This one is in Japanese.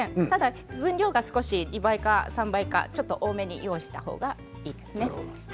ただ分量が少し２倍か３倍かちょっと多めに用意したほうがいいですね。